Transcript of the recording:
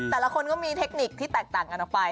แต่ละคนก็มีเทคนิคที่แตกต่างกันออกไป